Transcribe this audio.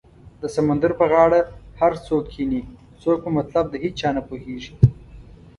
د سمندر په غاړه هر څوک کینې څوک په مطلب د هیچا نه پوهیږې